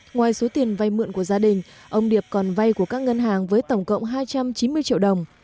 ngoài số tiền vay mượn của gia đình ông điệp còn vay của các ngân hàng với tổng cộng hai trăm chín mươi triệu đồng